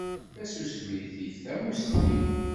Tasusmi tif tamusni.